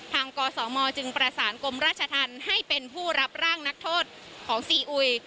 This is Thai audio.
กสมจึงประสานกรมราชธรรมให้เป็นผู้รับร่างนักโทษของซีอุย